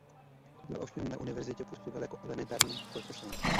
Dál ovšem na univerzitě působil jako emeritní profesor.